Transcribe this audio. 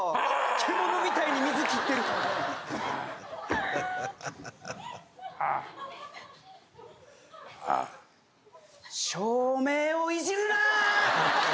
獣みたいに水切ってる照明をいじるな！